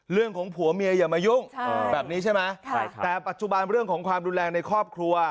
เรื่องของผัวเมียอย่ามายุ่งแบบนี้ใช่ไหมแต่ปัจจุบันเรื่องของความรุนแรงในครอบครัว